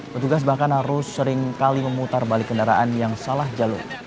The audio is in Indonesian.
petugas bahkan harus seringkali memutar balik kendaraan yang salah jalur